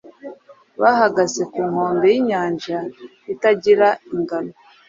bahagaze Ku nkombe yinyanja itagira ingano